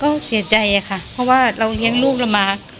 ก็เสียใจค่ะเพราะว่าเราเลี้ยงลูกเรามา